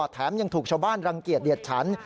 แถมยังถูกชาวบ้านรังเกียจเดียดฉัน